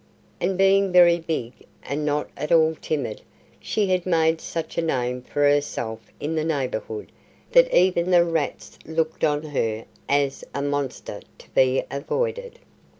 And being very big, and not at all timid, she had made such a name for herself in the neighborhood that even the rats looked on her as a monster to be avoided.